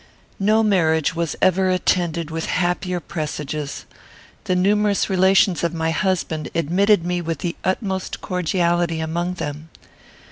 "No marriage was ever attended with happier presages. The numerous relations of my husband admitted me with the utmost cordiality among them.